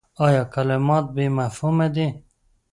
ایا کلمات بې مفهومه دي ؟